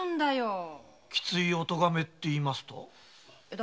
きついお咎めといいますと？